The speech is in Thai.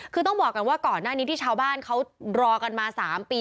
คือต้องบอกกันว่าก่อนหน้านี้ที่ชาวบ้านเขารอกันมา๓ปี